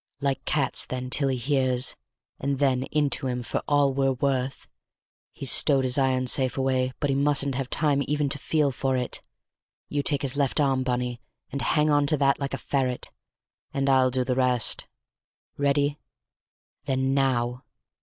"Like cats, then, till he hears, and then into him for all we're worth. He's stowed his iron safe away, but he mustn't have time even to feel for it. You take his left arm, Bunny, and hang on to that like a ferret, and I'll do the rest. Ready? Then now!"